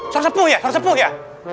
suara sepuh ya suara sepuh ya